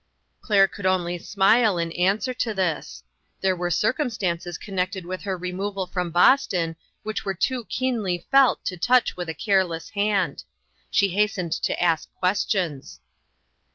Claire could only smile in answer to this. There were circumstances connected with her removal from Boston which were too keenly felt to touch with a careless hand. She hastened to ask questions.